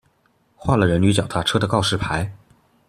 畫了人與腳踏車的告示牌